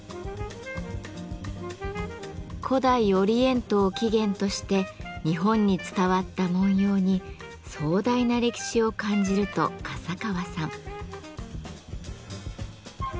古代オリエントを起源として日本に伝わった文様に壮大な歴史を感じると笠川さん。